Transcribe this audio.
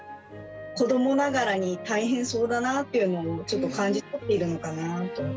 子どもながらに大変そうだなっていうのをちょっと感じ取っているのかなと。